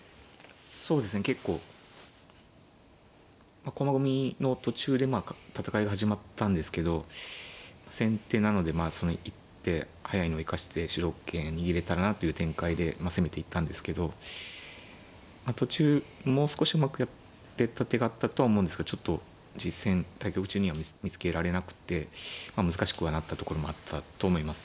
そうですね結構駒組みの途中でまあ戦いが始まったんですけど先手なのでまあその一手早いのを生かして主導権握れたなという展開でまあ攻めていったんですけど途中もう少しうまくやれた手があったとは思うんですがちょっと実戦対局中には見つけられなくて難しくはなったところもあったと思います。